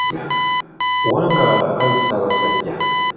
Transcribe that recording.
Wangala ayi Ssaabasajja.